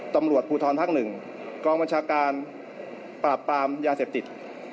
ตำรวจภูธรภ๑กรมรัชการปรากรปาร์มยาเศพติศ